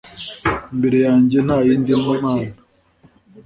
Mbere yanjye nta yindi mana